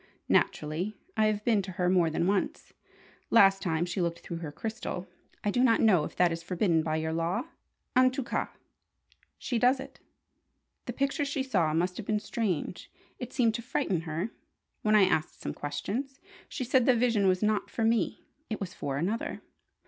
Naturally, I have been to her more than once. Last time she looked through her crystal. I do not know if that is forbidden by your law? En tout cas, she does it. The picture she saw must have been strange. It seemed to frighten her. When I asked some questions, she said the vision was not for me. It was for another.